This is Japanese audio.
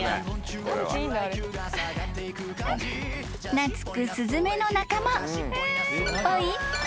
［懐くスズメの仲間］